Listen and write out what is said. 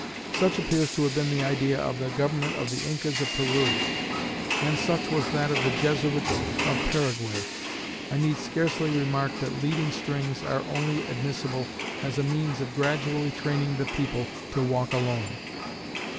Such appears to have been the idea of the government of the Incas of Peru, and such was that of the Jesuits of Paraguay. I need scarcely remark that leading strings are only admissible as a means of gradually training the people to walk alone.